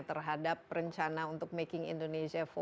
terhadap rencana untuk making indonesia empat